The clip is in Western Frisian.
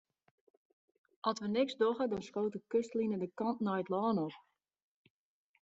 As wy neat dogge, dan skoot de kustline de kant nei it lân op.